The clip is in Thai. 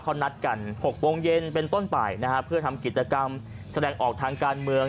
เขานัดกัน๖โมงเย็นเป็นต้นไปนะฮะเพื่อทำกิจกรรมแสดงออกทางการเมือง